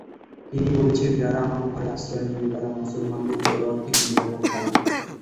তিনি বলেছেন, যারা আমার ঘরে আশ্রয় নিবে তারা মুসলমানদের তলোয়ার থেকে নিরাপদ থাকবে।